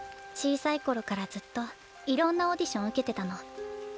小さい頃からずっといろんなオーディション受けてたの。